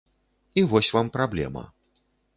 І вось вам праблема.